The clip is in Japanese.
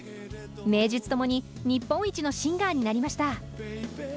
名実ともに日本一のシンガーになりました！